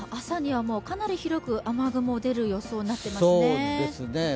朝にはかなり広く雨雲が出る予想になっていますね。